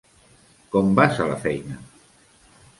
Com vas a la feina?